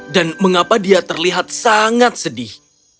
mengapa dia terlihat sangat sedih